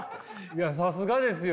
いやさすがですよ。